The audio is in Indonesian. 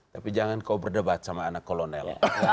tapi jangan kau berdebat sama anak kolonel